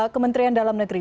kementerian dalam negeri